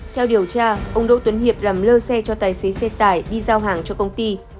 theo điều tra ông đỗ tuấn hiệp làm lơ xe cho tài xế xe tải đi giao hàng cho công ty